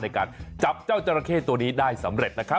ในการจับเจ้าจราเข้ตัวนี้ได้สำเร็จนะครับ